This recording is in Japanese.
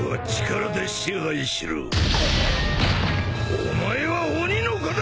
お前は鬼の子だ！